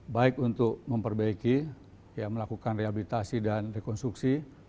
baik untuk memperbaiki melakukan rehabilitasi dan rekonstruksi